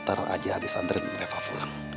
taruh aja habis ngeri fulang